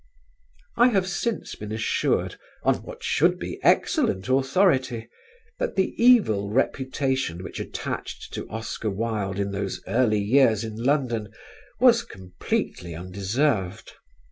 I have since been assured, on what should be excellent authority, that the evil reputation which attached to Oscar Wilde in those early years in London was completely undeserved.